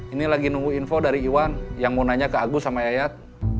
ini lagi nunggu info dari iwan yang mau nanya ke agus sama yayat